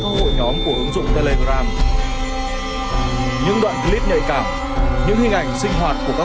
các hội nhóm của ứng dụng telegram những đoạn clip nhạy cảm những hình ảnh sinh hoạt của các